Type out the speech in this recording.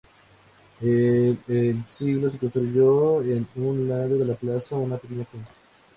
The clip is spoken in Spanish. El el siglo se construyó en un lado de la plaza una pequeña fuente.